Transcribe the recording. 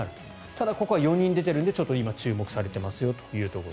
ただ、ここは４人出ているので今、注目されていますよと。